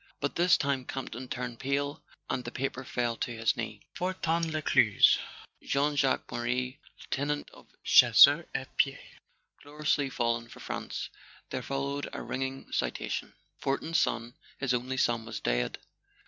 But this time Campton turned pale and the paper fell to his knee. "Fortin Lescluze; Jean Jacques Marie, lieutenant of Chasseurs a Pied , gloriously fallen for France.. There followed a ringing citation. Fortin's son, his only son, was dead.